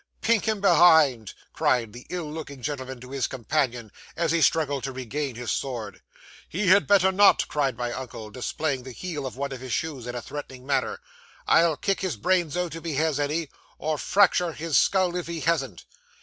'"Pink him behind!" cried the ill looking gentleman to his companion, as he struggled to regain his sword. '"He had better not," cried my uncle, displaying the heel of one of his shoes, in a threatening manner. "I'll kick his brains out, if he has any , or fracture his skull if he hasn't."